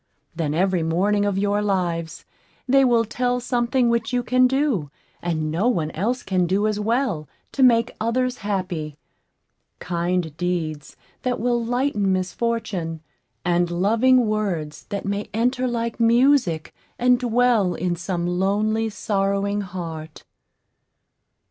Then, every morning of your lives, they will tell something which you can do, and no one else can do as well, to make others happy kind deeds that will lighten misfortune, and loving words that may enter like music, and dwell in some lonely, sorrowing heart.